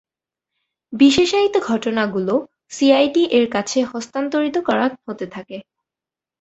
বিশেষায়িত ঘটনাগুলো সিআইডি এর কাছে হস্তান্তরিত করা হতে থাকে।